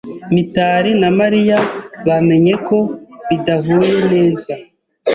Mitari na Mariya bamenye ko bidahuye neza.